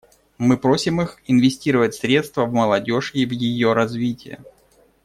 Мы просим их инвестировать средства в молодежь и в ее развитие.